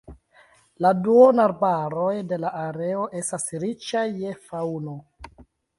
La duonarbaroj de la areo estas riĉaj je faŭno.